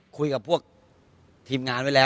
คุยกับพวกทีมงานไว้แล้ว